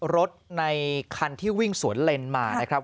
รถในคันที่วิ่งสวนเลนมานะครับ